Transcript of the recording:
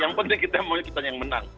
yang penting kita maunya kita yang menang